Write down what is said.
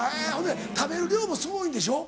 食べる量もすごいんでしょ？